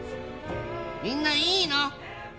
みんないいの？